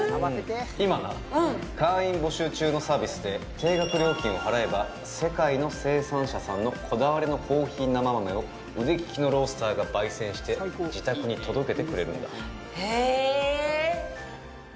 定額料金を払えば世界の生産者さんのこだわりのコーヒー生豆を腕利きロースターが焙煎して自宅に届けてくれるんだへえ